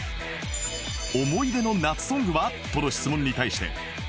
思い出の夏ソングは？との質問に対して